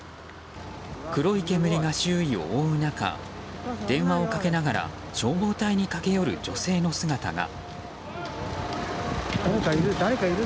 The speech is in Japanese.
黒い煙が周囲を覆う中電話をかけながら消防隊に駆け寄る女性の姿が。